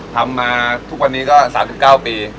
ทำมาทุกวันนี้ก็๓๙ปี